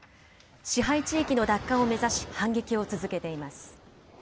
支配地域の奪還を目指し、反撃を続けています。